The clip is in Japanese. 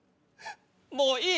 もういい！